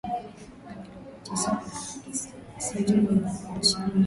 Milioni tisa na laki sita hivyo ni nchi